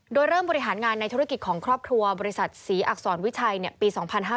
โดยเริ่มบริหารงานในธุรกิจของครอบครัวบริษัทศรีอักษรวิชัยปี๒๕๕๙